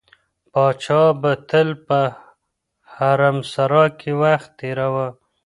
پاچا به تل په حرمسرا کې وخت تېراوه.